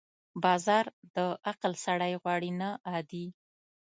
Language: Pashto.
بازار د عقل سړی غواړي، نه عادي.